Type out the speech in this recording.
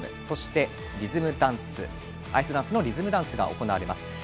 そして、アイスダンスのリズムダンスが行われます。